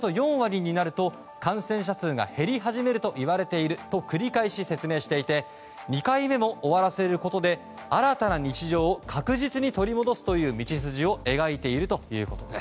総理大臣は、１回目の接種が国民全体のおよそ４割になると感染者数が減り始めるといわれていると繰り返し説明していて２回目も終わらせることで新たな日常を確実に取り戻すという道筋を描いているということです。